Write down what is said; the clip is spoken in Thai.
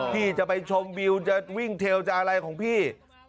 พี่จะไปชมวิวจะวิ่งเทลจะอะไรของพี่